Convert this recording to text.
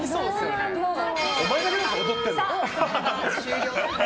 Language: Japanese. お前だけだぞ踊ってるの。